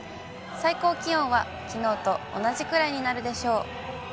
最高気温はきのうと同じくらいになるでしょう。